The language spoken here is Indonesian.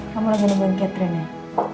kamu lagi nungguin catherine ya